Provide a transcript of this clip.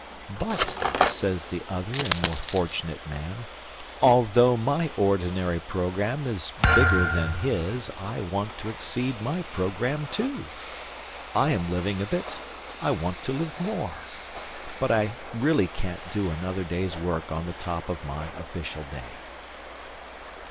"But," says the other and more fortunate man, "although my ordinary programme is bigger than his, I want to exceed my programme too! I am living a bit; I want to live more. But I really can't do another day's work on the top of my official day."